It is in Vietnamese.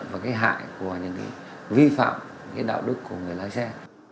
và cái hại của những cái vi phạm đạo đức của người lái xe